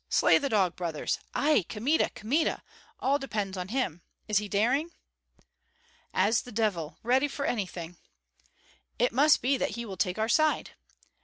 Slay the dog brothers! Ai, Kmita! Kmita! All depends on him. Is he daring?" "As the devil, ready for anything." "It must be that he will take our side."